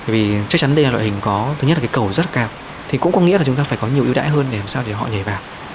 vì chắc chắn đây là loại hình có thứ nhất là cái cầu rất cao thì cũng có nghĩa là chúng ta phải có nhiều ưu đãi hơn để làm sao để họ nhảy vào